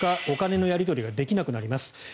お金のやり取りができなくなります。